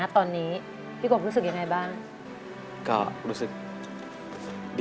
โทษให้